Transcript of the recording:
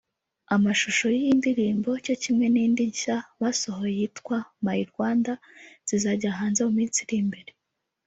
Amashusho y’iyi ndirimbo cyo kimwe n’indi nshya basohoye yitwa ‘My Rwanda’ zizajya hanze minsi iri imbere